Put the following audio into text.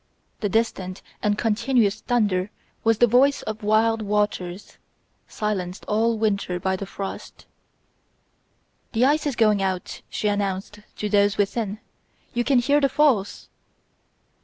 The distant and continuous thunder was the voice of wild waters, silenced all winter by the frost. "The ice is going out," she announced to those within. "You can hear the falls."